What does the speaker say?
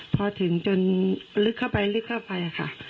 พอถึงจนลึกเข้าไปลึกเข้าไปค่ะ